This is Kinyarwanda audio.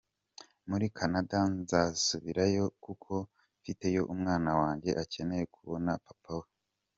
Muri Canada nzasubirayo kuko mfiteyo umwana wanjye, akeneye kubona papa we".